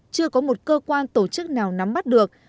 chưa có một cơ quan tổ chức nào nắm bắt được